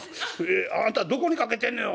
『あんたどこにかけてんのよ』。